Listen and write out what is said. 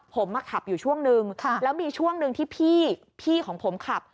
ผมมาขับอยู่ช่วงนึงแล้วมีช่วงหนึ่งที่พี่ของผมขับ